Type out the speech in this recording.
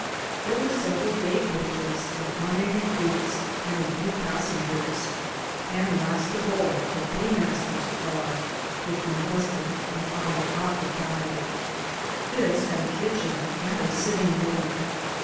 There were several day coaches, with army recruits and a few passengers, and last of all the paymaster's car, which my husband and 254 BOOTS AND SADDLES. I occupied. This liad a kitchen and a sitting room.